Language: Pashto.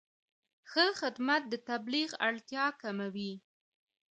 ښه خدمت د تبلیغ اړتیا کموي.